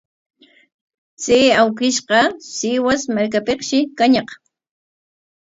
Chay awkishqa Sihuas markapikshi kañaq.